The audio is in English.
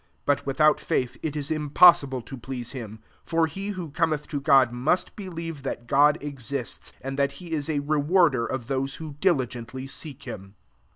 6 But without faith it tM impossible to please Mm : for he who cometh to God must believe that God ex ists, and thai he is a rewarder of those who diligently seek him.